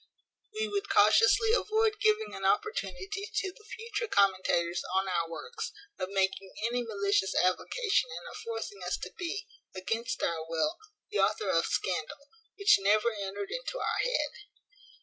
We would cautiously avoid giving an opportunity to the future commentators on our works, of making any malicious application and of forcing us to be, against our will, the author of scandal, which never entered into our head.